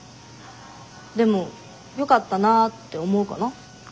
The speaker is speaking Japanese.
でも「よかったなぁ」って思うかな。